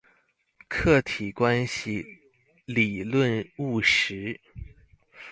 客體關係理論實務